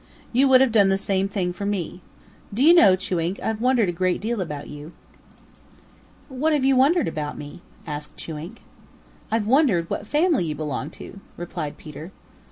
You would have done the same thing for me. Do you know, Chewink, I've wondered a great deal about you." "What have you wondered about me?" asked Chewink. "I've wondered what family you belong to," replied Peter.